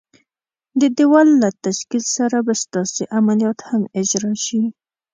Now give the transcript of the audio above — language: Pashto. د دېوال له تشکیل سره به ستاسي عملیات هم اجرا شي.